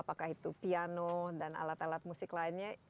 apakah itu piano dan alat alat musik lainnya